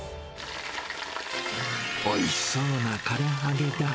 おいしそうなから揚げだ。